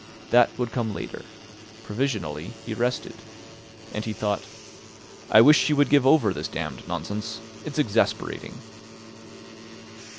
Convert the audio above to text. That would come later. Provisionally he rested. And he thought: "I wish she would give over this damned nonsense. It's exasperating."